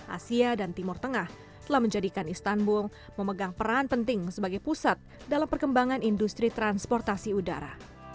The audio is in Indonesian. asia dan timur tengah telah menjadikan istanbul memegang peran penting sebagai pusat dalam perkembangan industri transportasi udara